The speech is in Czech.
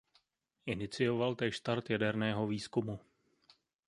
Inicioval též start jaderného výzkumu.